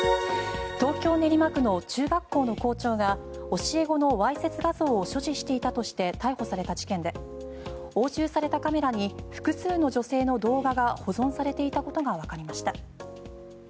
東京・練馬区の中学校の校長が教え子のわいせつ画像を所持していたとして逮捕された事件で押収されたカメラに複数の女性の動画が保存されていたことがわかりました。